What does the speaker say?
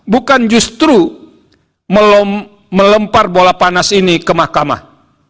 bukan justru melempar bola panas ini ke mahkamah